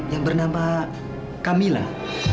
yang bernama kamilah